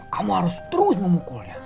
kamu harus terus membukunya